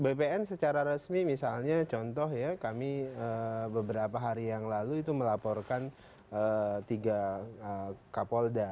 bpn secara resmi misalnya contoh ya kami beberapa hari yang lalu itu melaporkan tiga kapolda